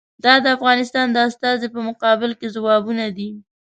دا د افغانستان د استازي په مقابل کې ځوابونه دي.